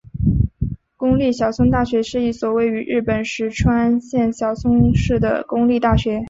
公立小松大学是一所位于日本石川县小松市的公立大学。